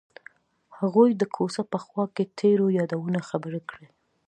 هغوی د کوڅه په خوا کې تیرو یادونو خبرې کړې.